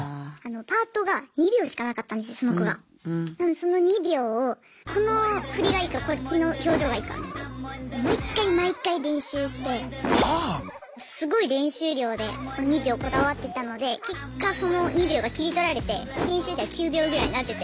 なのにその２秒をこの振りがいいかこっちの表情がいいか毎回毎回練習してすごい練習量でその２秒こだわってたので結果その２秒が切り取られて編集では９秒ぐらいになってて。